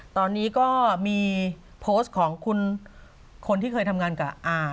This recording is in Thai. ตอนนี้ก็มีโพสต์ของคุณคนที่เคยทำงานกับอา